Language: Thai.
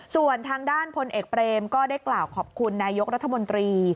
ส่วนทางด้านพลเอกเปรมก็ได้กล่าวขอบคุณนายกรัฐมนตรี